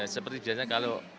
seperti biasanya kalau